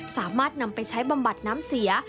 สามารถนำไปใช้บำบัดน้ำเสีย